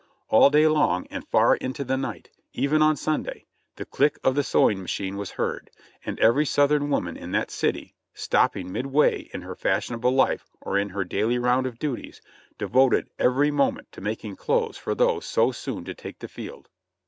All day long and far into the night, even on Sunday, the click of the sewing machine was heard, and every Southern woman in that city, stopping midway in her fashionable life or in her daily round of duties, devoted every moment to making clothes for those so soon to take the field.